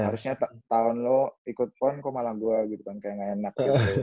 harusnya tahun lo ikut pon kok malah gue gitu kan kayak gak enak